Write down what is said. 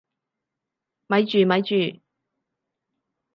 咪住咪住！